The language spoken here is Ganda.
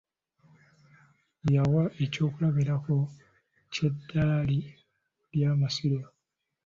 Yawa eky'okulabirako ky'eddaali ly'Amasiro